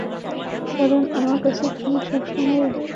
কারণ আমার কাছে তুমি সবসময়েই একটা স্যুট পরা ল্যাংড়া হয়েই থাকবে।